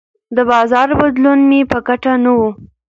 د بازار بدلون مې په ګټه نه و.